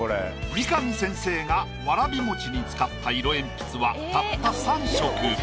三上先生がわらび餅に使った色鉛筆はたった３色。